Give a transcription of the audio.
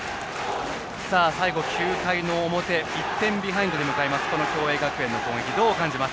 最後、９回の表１点ビハインドで迎えます共栄学園の攻撃。